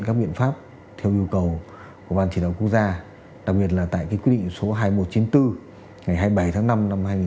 các biện pháp theo yêu cầu của bàn chỉ đạo quốc gia đặc biệt là tại cái quy định số hai nghìn một trăm chín mươi bốn ngày hai mươi bảy tháng năm năm hai nghìn hai mươi